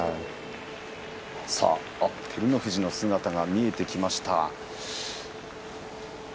照ノ富士の姿が見えてきました。